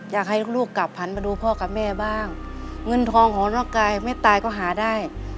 อยากให้ลูกกลับหันมาดูพ่อกับแม่บ้างเงินทองหอนอกกายไม่ตายก็หาได้